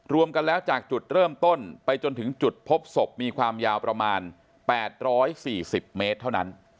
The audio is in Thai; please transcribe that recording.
รวมกันแล้วจากจุดเริ่มต้นไปจนถึงจุดพบศพมีความยาวประมาณ๘๔๐เมตรเท่านั้น